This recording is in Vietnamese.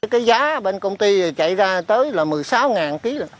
cái giá bên công ty chạy ra tới là một mươi sáu ngàn ký